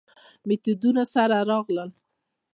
میتودونو سره راغله.